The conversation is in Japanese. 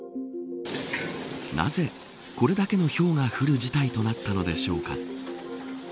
なぜ、これだけのひょうが降る事態となったのでしょうか。